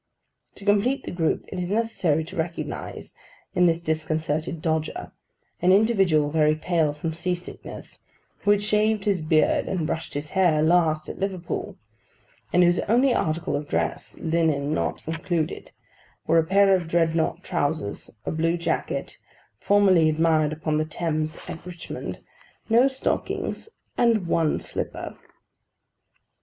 To complete the group, it is necessary to recognise in this disconcerted dodger, an individual very pale from sea sickness, who had shaved his beard and brushed his hair, last, at Liverpool: and whose only article of dress (linen not included) were a pair of dreadnought trousers; a blue jacket, formerly admired upon the Thames at Richmond; no stockings; and one slipper.